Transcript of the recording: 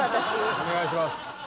「お願いします」